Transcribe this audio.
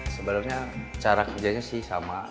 sebenarnya cara kerjanya sih sama